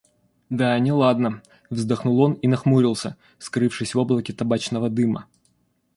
— Да, неладно, — вздохнул он и нахмурился, скрывшись в облаке табачного дыма.